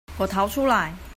我逃出來